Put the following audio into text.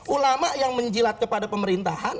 ulama yang menjilat kepada pemerintahan